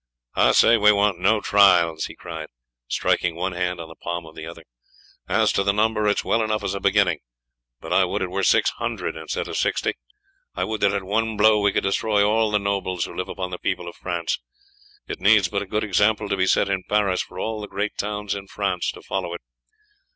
"I say we want no trials," he cried, striking one hand on the palm of the other. "As to the number, it is well enough as a beginning, but I would it were six hundred instead of sixty. I would that at one blow we could destroy all the nobles, who live upon the people of France. It needs but a good example to be set in Paris for all the great towns in France to follow it.